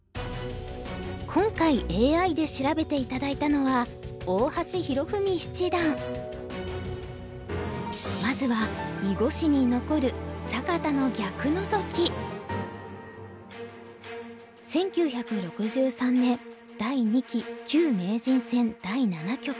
今回ＡＩで調べて頂いたのはまずは囲碁史に残る１９６３年第２期旧名人戦第七局。